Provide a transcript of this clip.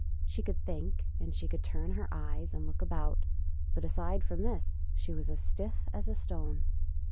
She could think, and she could turn her eyes and look about, but aside from this she was as stiff as a stone.